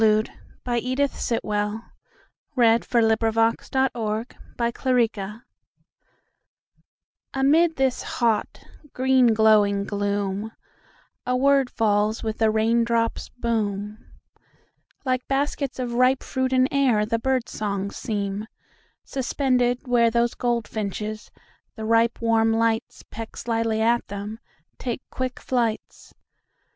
1920. Edith Sitwell1887–1964 Interlude AMID this hot green glowing gloomA word falls with a raindrop's boom…Like baskets of ripe fruit in airThe bird songs seem, suspended whereThose goldfinches—the ripe warm lightsPeck slyly at them—take quick flights.